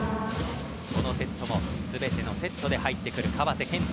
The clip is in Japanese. このセットも全てのセットで入ってくる川瀬。